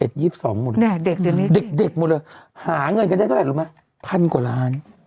๒๑๒๒หมดเลยเด็กหมดเลยหาเงินกันได้เท่าไหร่รู้ไหมพันกว่าล้าน